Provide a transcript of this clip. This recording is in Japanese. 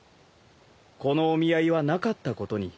このお見合いはなかったことに。